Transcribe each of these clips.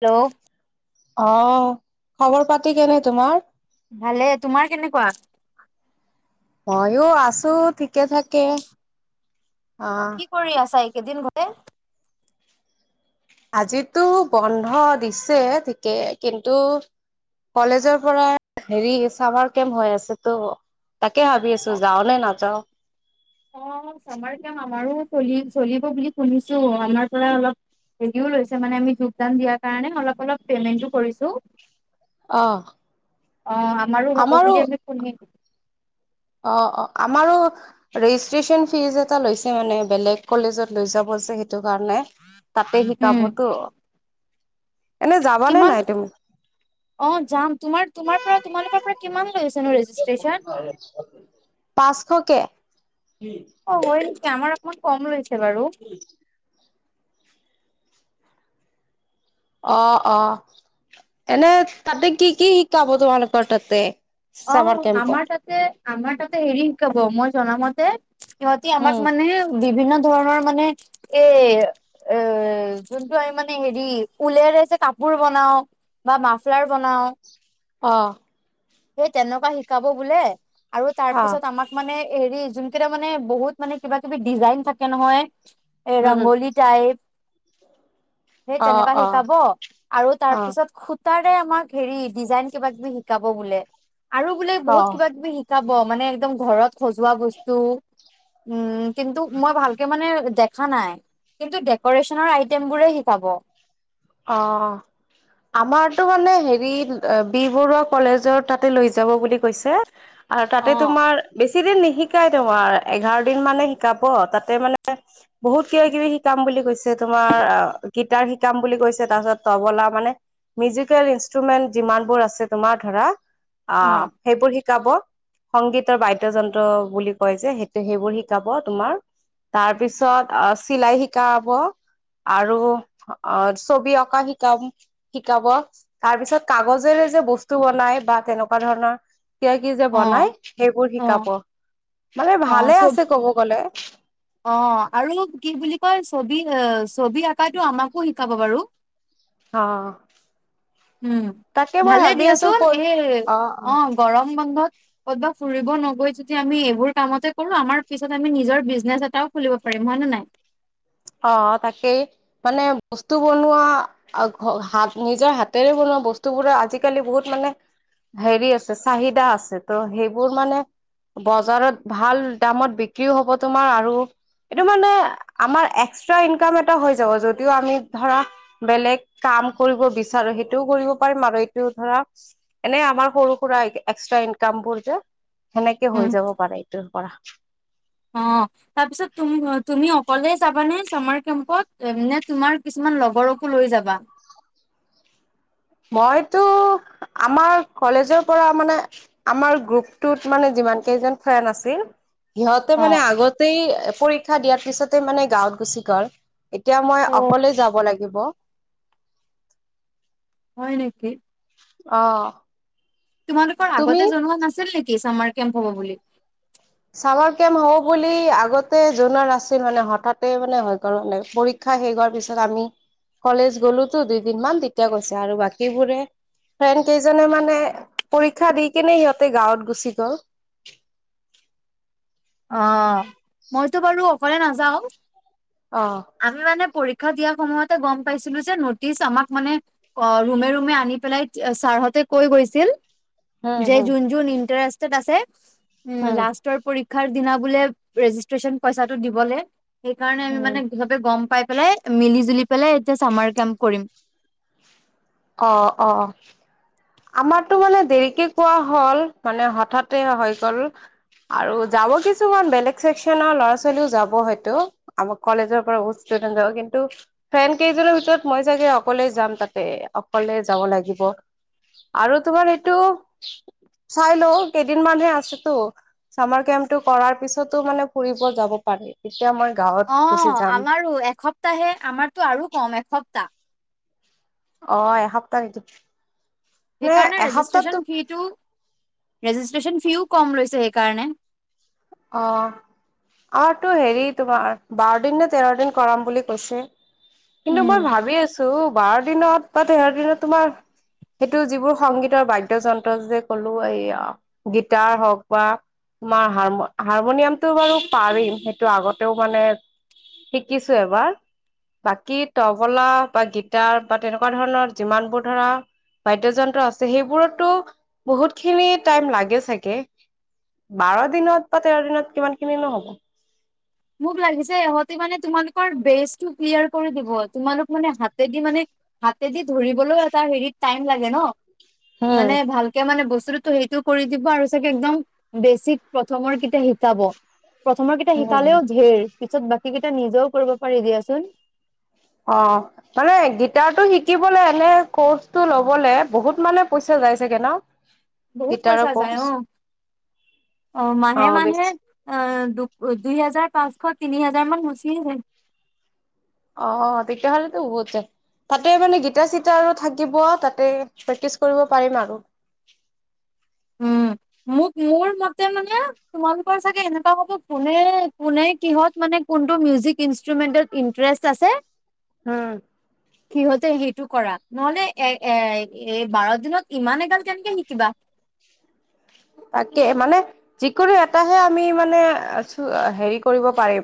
Hello অ', খবৰ পাতি কেনে তোমাৰ? ভালে তোমাৰ কেনেকুৱা? মইয়ো আছো ঠিকে ঠাকে। কি কৰি আছা এইকেইদিন ঘৰে? আজিতো বন্ধ দিছে ঠিকে কিন্তু কলেজৰ পৰা হেৰি, চামাৰ কেম্প হৈ আছেতো। তাকে ভাবি আছোঁ যাও নে নাযাওঁ। অ', আমাৰ চামাৰ কেম্প আমাৰো [unintelligible] চলিব বুলি শুনিছোঁ আমাৰ পৰা অলপ [unintelligible] লৈছে মানে আমি যোগদান দিয়াৰ কাৰণে অলপ অলপ পেমেণ্টটো কৰিছোঁ। অ', অ', আমাৰো হ'ব বুলি আমি শুনিম অ', অ', আমাৰো ৰেজিষ্টেচন ফিজ এটা লৈছে মানে বেলেগ কলেজত ছে, সেইটোকাৰণে তাতে উম শিকাবতো। এনে যাবানে কিমান নাই তুমি অ', যাম তোমাৰ-তোমাৰ পৰা তোমালোকৰ পৰা কিমান লৈছেনো ৰেজিষ্ট্ৰেচন? পাঁচশকে। অ', হয় নিকি আমাৰ অকমান কম লৈছে বাৰু। অ', অ', এনে তাতে কি কি শিকাব তোমালোকৰ তাতে? চামাৰ অ', কেম্পত আমাৰ তাতে আমাৰ তাতে হেৰি শিকাব মই জনামতে তে সিহঁতি আমাক উম মানে বিভিন্ন ধৰণৰ মানে এ-এ যোনটো আমি মানে হেৰি উলেৰে যে কাপোৰ বনাওঁ বা মাফলাৰ বনাওঁ অ'। সেই তেনেকুৱা শিকাব বোলে, আৰু তাৰ অ পিছত আমাক মানে হৰি যোনকেইটা মানে বহুত মানে কিবা কিবি ডিজাইন থাকে নহয় এ উম ৰংগোলী টাইপ সেই অ তেনেকা অ শিকাব, আৰু তাৰ অ পিছত খু তাৰে আমাক হেৰি ডিজাইন কিবা কিবি শিকাব বোলে। আৰু বোলে অ বহুত কিবা কিবি শিকাব মানে একদম ঘৰত সজোৱা বস্তু উম, কিন্তু মই ভালকে মানে দেখা নাই। কিন্তু ডেক'ৰেশ্যনৰ আইটেম বোৰে শিকাব। অ'। আমাৰতো মানে হেৰি বি বৰুৱা কলেজৰ তাতে লৈ যাব বুলি কৈছে। আৰু তাতে তোমাৰ বেছ ছিদিন নিশিকাই তোমাৰ, এঘাৰ দিন মানে শিকাব, তাতে মানে বহুত কিবা-কিবি শিকাম বুলি। কৈছে তোমাৰ, অ গীটাৰ শিকাম বুলি কৈছ তাৰপিছত তবলা মানে মিউজিকেল ইনষ্ট্ৰুমেন্ট যিমানবোৰ আছে তোমাৰ ধৰা অ, সেইবোৰ শিক শিকাব, সংগীতৰ বাদ্যযন্ত্ৰ বুলি কয় যে সেইটো, সেইবোৰ শিকাব তোমাৰ। তাৰ পিছত আহ চিলাই শিকাব আৰু অ ছবি অঁকা শিকাম, শিকাব, তাৰপিছত কাগজেৰে যে বস্তু বনাই বা তেনেকুৱা ধৰণ ৰনৰ য়া কি যে অ বনাই সেইবোৰ অ শিকাব, মানে অ ভালে চব আছে কব গলে। অ, আৰু কি বুলি কয় ছবি, ছবি আঁকাটো আমাকো শিকাব বাৰু? হ উম, ভালেই দিয়াচোন ক'ত এই অ গৰম বন্ধত কতবা ফুৰিব নগৈ যদি আমি এইবোৰ কামতে কৰো, আমাৰ পিছত আমি নিজৰ বিজনেচ এটাও খুলিব পাৰিম। [unintelligible] নাই অ, তাকেই মানে বস্তু বনোৱা অ হাত নিজৰ হাতেৰে বনোৱা বস্তুবোৰে আজিকালি বহুত মানে হেৰি আছে চাহিদা আছে ত' সেইবোৰ মানে বজাৰত ভাল দামত বিক্ৰীও হব তোমাৰ আৰু এইটো মানে আমাৰ এক্সট্ৰা ইনকাম এটা হৈ যাব, যদিও আমি ধৰা বেলেগ কাম কৰিব বিচাৰো, সেইটোও কৰিব ৰিম আৰু এইটোও ধৰা এনেই আমাৰ সৰু-সুৰা এক্সট্ৰা ইনকামবোৰ যে সেনেকে হৈ উম, যাব পাৰে এইটোৰ পৰা অ তাৰপিছ তুম তুমি অ কলে যাবানে চামাৰ কেম্পত, নে তোমাৰ কিছুমান লগৰকো লৈ যাবা? মইতো আমাৰ কলেজৰ পৰা মানে আমাৰ গ্ৰুপটোত মানে মান কেইজন ফ্ৰেন আছিল সিহঁতে অ মানে আগতেই পৰীক্ষা দিয়াৰ পিছতে মানে গাঁৱত গুচি গ'ল। এতিয়া মই অ অকলে যাব লাগিব। হয় নেকি? অহ। তোমালোকৰ আগতে জনোৱা নাছিল নেকি চামাৰ কেম্প হব বুলি? চামাৰ কেম্প হব বুলি আগতে জনোৱা নাছিল মানে হঠাতে মানে হয় গল মানে পৰীক্ষ শেষ হোৱাৰ পিছত আমি কলেজ গ'লোতো দুইদিন মান তেতিয়া কৈছে আৰু বাকীবোৰে ফ্ৰেণ্ড কেইজনে মানে পৰীক্ষা দি কিনে সিহঁতে গাঁৱত গুচি গ'ল। [inaudible] অ', মইতো বাৰু অকলে নাযাও, অ' আমি মানে পৰীক্ষা দিয়াৰ সময়তে গম পাইছিলো যে নটিছ আমাক মানে অ ৰুমে-ৰুমে আনি পেলাই ছা হতে কৈ গৈছিল হম যে হম যোন-যোন ইন্টাৰেষ্টেত আছে হম। লাষ্টৰ পৰী ক্ষাৰ দিনা বোলে ৰেজিষ্ট্ৰেশচন পইচাটো দিবলে, সেইকাৰণে আমি উম, মানে সিহতে গম পাই পেলাই মিলি-জুলি পেলাই এতিয়া চামাৰ কেম্প কৰিম। অ, অ। আমাৰতো মানে দেৰিকে কোৱা হ'ল, মানে হঠাতে হৈ গল। আৰু যাব কিছুমান বেলেগ চেকচনৰ ল'ৰা-ছোৱালীও যাব হয়তো, আমাৰ কলেজৰ পৰা ও কিন্তু ফ্ৰেণ্ড কেইজনৰ ভিতৰত মই চাগে অকলে যাম তাতে। অকলে যাব লাগিব আৰু তোমাৰ এইটো চাই লও, কেইদিনমানহে আছেতো। চামাৰ কেম্পটো কৰাৰ পিছতো মানে ফুৰিব যাব পাৰে। অ', আমাৰো এসপ্তাহে, আমাৰতো আৰু কম এসপ্তাহ। অ এসপ্তাহ নেকি? মানে সেইকাৰণে এসপ্তাহতো ৰেজিষ্ট্ৰেশচন ফিটো ৰেজিষ্ট্ৰচন ফিও কম লৈছে সেইকাৰণে। অ আৰু তো হেৰি তোমাৰ বাৰদিন নে তেৰদিন কৰাম বুলি কৈছে। কিন্তু মই উম ভাবি আছো বাৰ দিনত বা তেৰ দিনত তোমাৰ সেইটো যিবোৰ সংগীতৰ বাদ্যযন্ত্ৰ যে কলো এই গীটাৰ হওক বা মাৰ হাৰ হাৰমনিয়ামতটো বাৰু পাৰিম সেইটো আগতেও মানে শিকিছো এবাৰ। বাকী তবলা বা গিটাৰ বা তেনেকুৱা ধৰণৰ যিমানবোৰ ধৰা বাদ্যযন্ত্ৰ আছে সেইবোৰত তো বহুত খিনি টাইম লাগে চাগে বাৰ দিনত বা তেৰ দিনত কিমান খিনি নহ'ব। মোক লাগিছে। ইহঁতে মানে তোমালোকৰ বেচটো ক্লিয়াৰ কৰি দিব। তোমালোক মানে হাতেদি মানে হাতেদি ধৰিবলৈও এটা হেৰি টাইম লাগে ন, মানে ভালকে মানে বস্তু টো সেইটো কৰি দিব আৰু চাগে একদম বেছিক প্ৰথমৰ কেইটা শিকাব। প্ৰথমৰ কেইটা উম শিকালেও ধেৰ পিছত বাকী কেইটা নিজেও কৰিব পাৰি দিয়াচোন। অ মানে গিটাৰ টো শিকিবলে এনে ক'ৰ্চটো লবলে বহুত মানে পইচা যায়ছাগে ন? বহুত পইচা গিটাৰৰ যায় কৰ্চ অ। অ মাহে মাহে অ দু দুই হেজাৰ পাঁচ -শ তিনি হাজাৰ মান গুছিয়ে যায়। অ তেতিয়াহ'লেতো বহুত যায়। তাতে মানে গিটাৰ - চিটাৰও থাকিব তাতে প্ৰেক্টিচ কৰিব পাৰিম আৰু। উম। মোক মোৰ মতে মানে তোমালোকৰ চাগে এনেকুৱা হব কোনে - কোনে কিহত মানে কোনটো মিউজিক ইষ্টোমেণ্টত ইণ্টাৰেষ্ট আছে হম। সিহঁতে সেইটো কৰা। নহলে এ এ এই বাৰ দিনত ইমান এগাল কেনেকে শিকিবা? তাকে মানে যিকোনো এটাহে আমি মানে চ হেৰি কৰিব পাৰিম।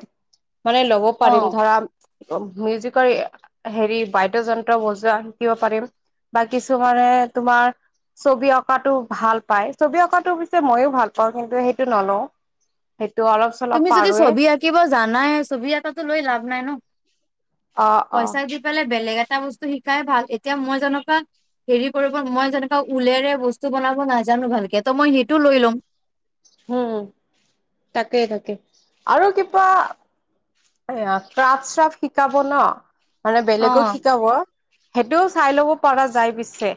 মানে ল'ব পাৰিম অ', ধৰা মিউজিকৰ হেৰি বাদ্যয়যন্ত্ৰ বজোৱা শিকিব পাৰিম। বা কিছুমানানে তোমাৰ ছবি অঁকাতটো ভাল পাই। ছবি অঁকাত হৈছে মইয়ো ভাল পাওঁ, কিন্তু সেইটো নলও সেই তুমি যদি ছবি আঁকিব জানাই ছবি আঁকাতটো লৈ লাভ নাই ন! অ অ পইচা দি পেলাই বেলেগ এটা বস্তু শিকাই ভাল। এতিয়া মই যেনেকুৱা হেৰি কৰিব। মই যেনেকা উলেৰে বস্তু বনাব নাজানো ভালকে ত মই সেইটো লৈ লম উম, তাকেই তাকেই আৰু কিবা এয়া ট্ৰাফ-শ্ৰাফ শিকাব ন, মানে বেলেগক অ', শিকাব সেইটো চাই লব পৰাা যায় পিছে।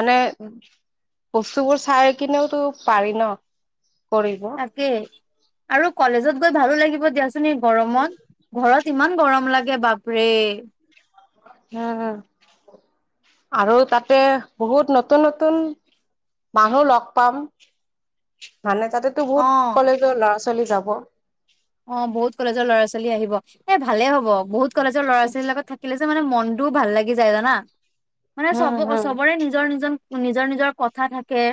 মানে বস্তুবোৰ চাই কিনেওতো পাৰি ন? কৰিব। তাকেই আৰু কলেজত গৈ ভালো লাগিব দিয়াচোন গৰমত ঘৰত ইমান গৰম লাগে বাপৰে উম, আৰু তাতে বহুত নতুন নতুন মানুহ লগ পাম। মানে তাতেতো অ বহুত কলেজৰ ল'ৰা ছোৱালী যাব। অ, বহুত কলেজৰ ল'ৰা ছোৱালী আহিব। এ ভালে হব বহুত কলেজৰ ল'ৰা ছোৱালীৰ লগত থাকিলে যে মানে মন মনতটোও ভাল লাগি যায় জানা। মানে হম চব হম চবৰে নিজৰ নিজৰ নিজৰ নিজৰ কথা থাকে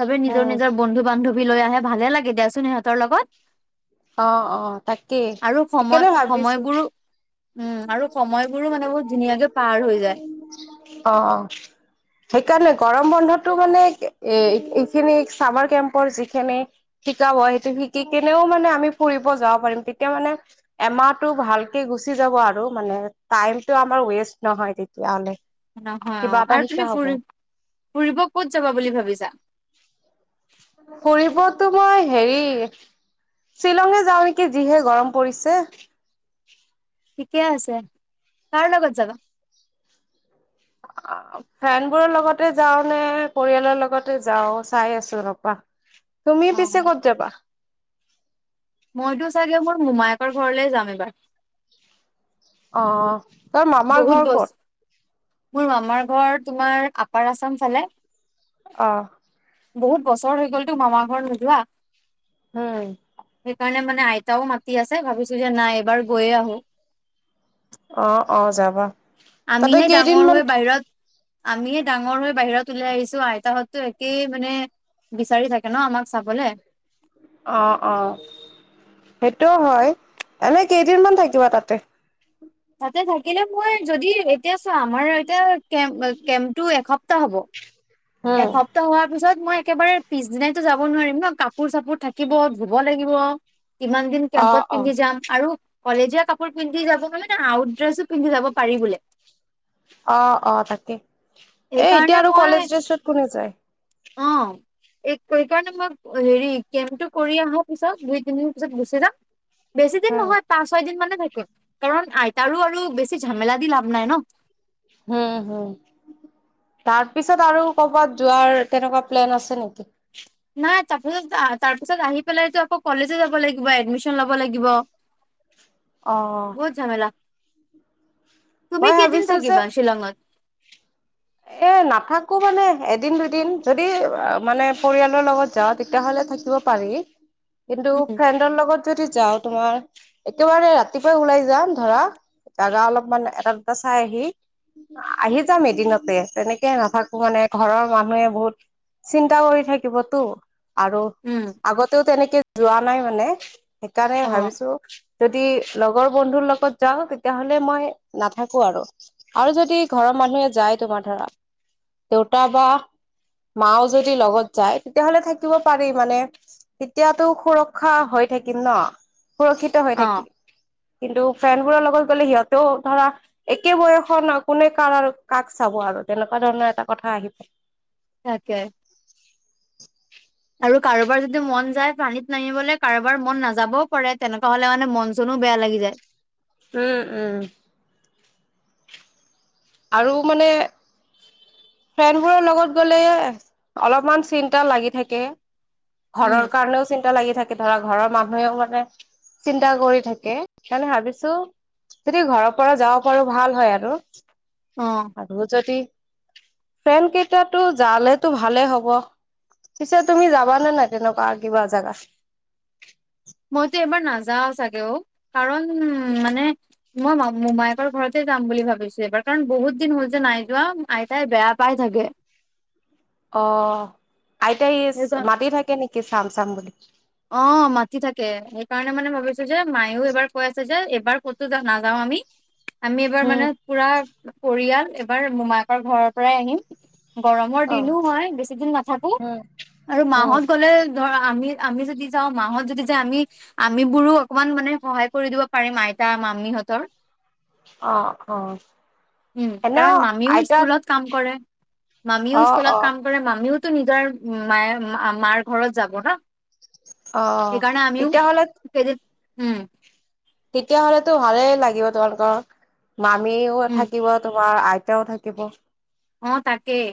সবেই নিজৰ হম নিজৰ বন্ধু বান্ধৱ লৈ আহে ভালে লাগে দেচোন সিহঁতৰ লগত। অ', অ', তাকেই আৰু সময় সিকেইতে ভাবিছোঁ সময়বোৰো উম আৰু সময়বোৰো মানে বহুত ধুনীয়াকে পাৰ হৈ যায়। অ', অ'। সেইকাৰণে গৰম বন্ধটো মানে এ এইখিনি চামাৰ কেম্পৰ যিখিনি শিকা হয় সেইটো শিকি কিনেও মানে আমি ফুৰিব যাব পাৰিম তেতিয়া মানে এমাহটো ভালকে গু চি যাব আৰু মানে টাইমতটো আমাৰ ৱেষ্ট নহয় তেতিয়াহ'লে নহয় কিবা অ', এটা আৰু শিকা তুমি হ'ব ফুৰি ফুৰিব ক'ত যাবা বুলি ভাবিছা? ফুৰিবতো মই হেৰি শ্বিলঙে যাওঁ নেকি যিহে গৰম পৰিছে। ঠিকে আছে, কাৰ লগত যাবা? ফ্ৰেণ্ড বোৰৰ লগতে যাও নে পৰিয়ালৰ লগতে যাওঁ চাই আছো ৰপা। তুমি পিছে অ ক'ত যাবা? মইতো চাগে মোৰ মোমায়েকৰ ঘৰলে যাম এইবাৰ। অ'। তোৰ মামাৰ বহুত ঘৰ ক'ত? বস্তু মোৰ মামাৰ ঘৰ তোমাৰ আপাৰ আছাম ফালে। অহ। বহুত বছৰ হৈ গ'লতো মামাৰ ঘৰত নোযোৱা, উম, সেইকাৰণে মানে নাই আইতাও মাতি আছে ভাবিছো যে নাই এবাৰ গৈয়ে আহো। অ অ যাবা। তাতে আমিহে ডাঙৰ কেইদিনমান হৈ বাহিৰত আমি ডাঙৰ হৈ বাহিৰত ওলাই আহিছো আইতাহতো একেই মানে বিচাৰি থাকে ন আমাক চাবলে। অ, অঁ। সেইটোও হয়, এনে কেইদিনমান থাকিব তাতে? তাতে থাকিলে মই যদি এতিয়া চোৱা আমাৰ এতিয়া কে কেম্পটো এসপ্তাহ হ'ব। এ উম, হপ্তাহ হোৱাৰ পিছত পত মই একেবাৰে পিছ দিনাইতো যাব নোৱাৰিম ন কাপোৰ চাপোৰ থাকিব ধুব লাগিব। কিমান দিন অ', কেম্পত অ', পিন্ধি যাম আৰু কলেজীয়া কাপোৰ পিন্ধি যাব কাৰণে আউট ড্ৰেছো পিন্ধি যাব পাৰি বোলে। অ অ তাকে এ এতিয়া সেইকাৰণে আৰু মই কলেজ ড্ৰেছত কোনে যায়। অ। এই সেইকাৰণে মই হেৰি কেম্পটো কৰি আহো পিছত দুই তিনিদিন পিছত গুচি যাম। বেছি দিন উম, নহয় পাঁচ ছয় দিন মানে থাক কাৰণ আইতাৰো আৰু বেছি ঝামেলা দি লাভ নাই ন। হম হম। তাৰপিছত আৰু কৰবাত যোৱাৰ তেনেকুৱা প্লেন আছে নেকি? তাৰপিছত তাৰপিছত আহি পেলাইো আকৌ কলেজো যাব লাগিব এডমিচন লব লাগিব। অ'। বহত ঝামেলা। তুমি মই কেইদিন ভাবিছো যে থাকিবা শ্বিলঙত এ নাথাকো মানে এদিন দুদিন যদি মানে পৰিয়ালৰ লগত যাওঁ তেতিয়াহলে থাকিব পাৰে কিন্তু উম ফ্ৰেডৰ লগত যদি যাওঁ তোমাৰ একেবাৰে ৰাতিপুৱাই ওলাই যাম ধৰা জাগা অলপমান এটা দুটা চাই আহি আহি যাম এদিনত তেনেকে নাথাকো মানে ঘৰৰ মানুহে বহুত চিন্তা কৰি থাকিবতো আৰু উম আগতেও তেনেকে যোৱা নাই মানে সেইকাৰণে অ ভাবিছো যদি লগৰ বন্ধুৰ লগত যাওঁ তেতিয়াাহলে মই নাথাকো আৰু আৰু যদি ঘৰৰ মানুহে যায়। তোমাৰ দুটা বা মাও যদি লগত যায় তেতিয়াহ'লে থাকিব পাৰি মানে তেতিয়াতো সুৰক্ষা হৈ থাকিম ন সুৰক্ষিত হৈ অ থাকিম। কিন্তু ফ্ৰেণ্ডবোৰৰ লগত গ'লে সিহঁতেও ধৰা একে বয়সৰ কোনে কাৰৰ ক চাব আৰু তেনেকুৱা ধৰণৰ এটা কথা আহি পৰে তাকে। আৰু কাৰোবাৰ যদি মন যায় পানীত নাহিবলৈ কাৰোবাৰ মন নাযাবও পাৰে তেনেকুৱা হলে মানে মন চন ও বেয়া লাগি যায়। উম উম। আৰু মানে ফ্ৰেণ্ডবোৰৰ লগত গ'লে অলপমান চিন্তা লাগি থাকে উম। ঘৰৰ কাৰণেও চিন্তা লাগি থাকে। ধৰা ঘৰৰ মানুহেও মানে চিন্তা কৰি থাকে সেইকাৰণে ভাবিছো যদি ঘৰৰ পৰা যাব পাৰো ভাল হয় আৰু অ আৰু যদি ফেন কেইটাতো জালেতো ভালে হ'ব পিছে তুমি যাবাানে নাই তেনেকুৱা কিবা জোগা মইতো এবাৰ নাযাওঁ চাগেও কাৰণ মানে মই মো মায়েকৰ ঘৰতে যাম বুলি ভাবিছো এইবাৰ কাৰণ বহুত দিন হল যে নাই যোৱা আইতাই বেয়া পাই থাকে [inaudible] অ আইতা ই সেইকাৰ মাতি থাকে নেকি চাম চাম বুলি অ মাতি থাকে সেইকাৰণে মানে ভাবিছো যে মায়ও এইবাৰ কৈ আছে যে এইবাৰ ক'তো নাযাও আমি আমি এবাৰ উম মানে পুৰা পৰিয়াল এবাৰ মোমায়কৰ ঘৰৰ পৰাই আহিম গৰমৰ অ দিনো হয় বেছি দিন নাথাকো উম আৰু উম মাহত গলে ধৰ আমি আমি যদি যাওঁ মাহত যদি যা আমি আম বোৰো অকমান মানে সহায় কৰি দিব পাৰিম আইতা মামি ত অ অ উম এনেও কাৰণ মামীও আইতা স্কুলত কাম কৰে অ মামীও অ স্কুলত কাম কৰে মামীও নিজৰ মায়ে মাৰ ঘৰত যাব ন অ সেইকাৰণে আমিও তেতিয়াহ'লে কে উম। তেতিয়াহ'লেতো ভালেই লাগিব তোমালোকৰ মামিও উম থাকিব তোমাৰ আই এওঁ থাকিব অ', তাকেই।